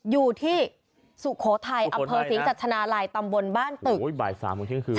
อยู่ที่สุโขทัยอำเภอศรีสัชนาลัยตำบลบ้านตึกอุ้ยบ่ายสามโมงเที่ยงคืน